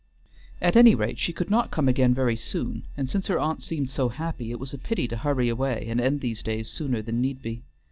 At any rate she could not come again very soon, and since her aunt seemed so happy, it was a pity to hurry away and end these days sooner than need be.